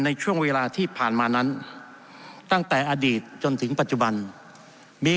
ในช่วงเวลาที่ผ่านมานั้นตั้งแต่อดีตจนถึงปัจจุบันมี